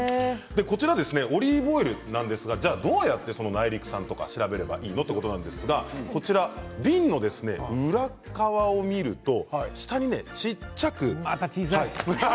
オリーブオイルは、どうやって内陸産とか調べればいいの？ということなんですが瓶の裏側を見ると下にね、小さく。